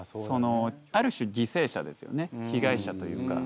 ある種犠牲者ですよね被害者というか。